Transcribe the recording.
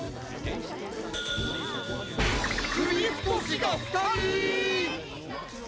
くびふとしがふたり！？